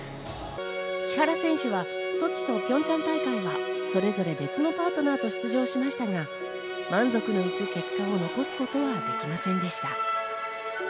木原選手はソチとピョンチャン大会はそれぞれ別のパートナーと出場しましたが、満足のいく結果を残すことはできませんでした。